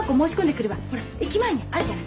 ほら駅前にあるじゃない。